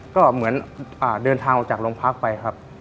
ก็เหมือนเดินทางออกจากโรงพักไปครับ